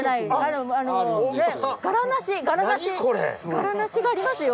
柄なしがありますよ。